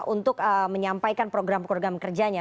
untuk menyampaikan program program kerjanya